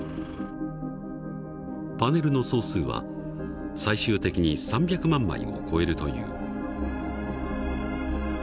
パネルの総数は最終的に３００万枚を超えるという。